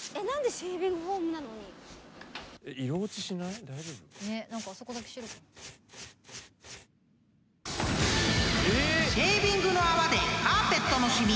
［シェービングの泡でカーペットの染み輝星我流！］